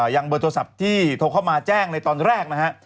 ยังเบอร์โทรศัพท์ที่โทรเข้ามาแจ้งในตอนแรกนะฮะ